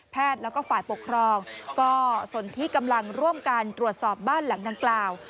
แล้วก็ฝ่ายปกครองก็สนที่กำลังร่วมกันตรวจสอบบ้านหลังดังกล่าว